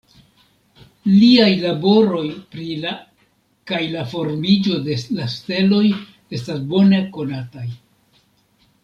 Liaj laboroj pri la kaj la formiĝo de la steloj estas bone konataj.